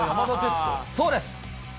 そうです。